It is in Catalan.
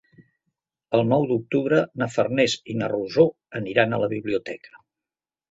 El nou d'octubre na Farners i na Rosó aniran a la biblioteca.